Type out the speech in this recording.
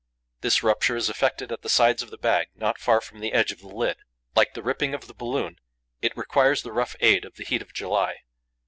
This rupture is effected at the sides of the bag, not far from the edge of the lid. Like the ripping of the balloon, it requires the rough aid of the heat of July.